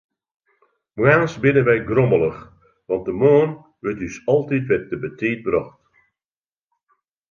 Moarns binne wy grommelich, want de moarn wurdt ús altyd wer te betiid brocht.